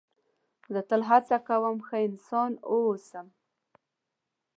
زه تل هڅه کوم ښه انسان و اوسم.